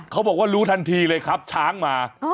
เขาบอกว่ารู้ทันทีเลยครับช้างมา